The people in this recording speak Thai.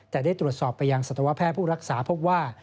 แต่ได้ตรวจสอบไปยังสัตวแพทย์ผู้รักษาพบว่า